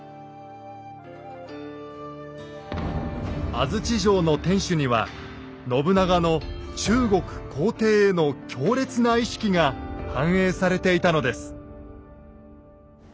安土城の天主には信長の中国皇帝への強烈な意識が反映されていたのです。